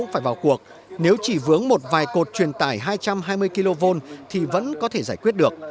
phải vào cuộc nếu chỉ vướng một vài cột truyền tải hai trăm hai mươi kv thì vẫn có thể giải quyết được